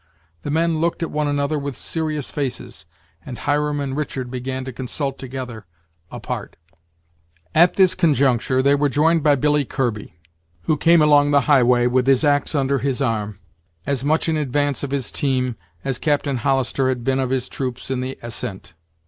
The men looked at one another with serious faces, and Hiram and Richard began to consult together, apart. At this conjuncture, they were joined by Billy Kirby, who came along the highway, with his axe under his arm, as much in advance of his team as Captain Hollister had been of his troops in the ascent.